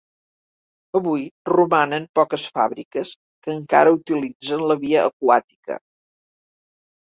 Avui, romanen poques fàbriques que encara utilitzen la via aquàtica.